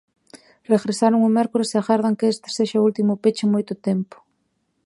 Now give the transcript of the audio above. Regresaron o mércores e agardan que este sexa o último peche en moito tempo.